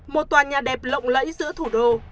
một tòa nhà đẹp lộng lẫy giữa thủ đô